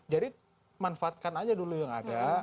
jadi manfaatkan aja dulu yang ada